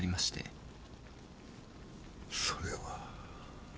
それは。